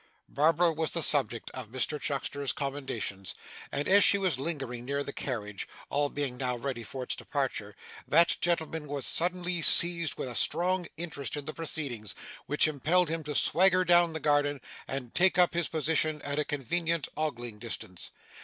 Barbara was the subject of Mr Chuckster's commendations; and as she was lingering near the carriage (all being now ready for its departure), that gentleman was suddenly seized with a strong interest in the proceedings, which impelled him to swagger down the garden, and take up his position at a convenient ogling distance.